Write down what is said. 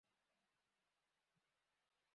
Umugabo yicaye ku rutare